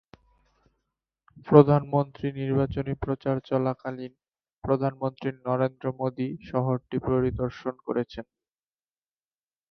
প্রধানমন্ত্রী নির্বাচনী প্রচার চলাকালীন প্রধানমন্ত্রী নরেন্দ্র মোদী শহরটি পরিদর্শন করেছেন।